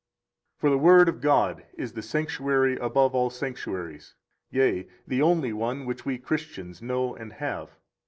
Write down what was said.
91 For the Word of God is the sanctuary above all sanctuaries, yea, the only one which we Christians know and have.